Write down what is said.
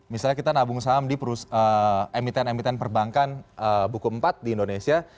misalnya kita nabung saham di emiten emiten perbankan buku empat di indonesia